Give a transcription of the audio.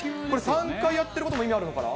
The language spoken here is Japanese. ３回やってることも意味あるのかな？